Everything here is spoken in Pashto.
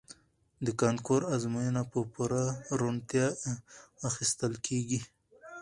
د کانکور ازموینه په پوره روڼتیا اخیستل کیږي.